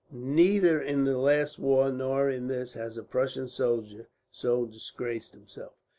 Neither in the last war nor in this has a Prussian soldier so disgraced himself.